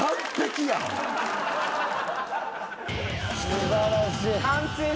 素晴らしい。